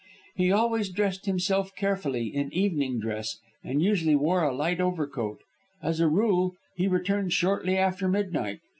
He always dressed himself carefully in evening dress, and usually wore a light overcoat. As a rule, he returned shortly after midnight.